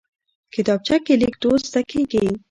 کتابچه کې لیک دود زده کېږي